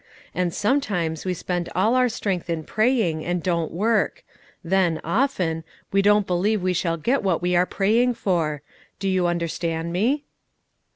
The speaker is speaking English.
And sometimes we spend all our strength in praying, and don't work; then, often, we don't believe we shall get what we are praying for. Do you understand me?"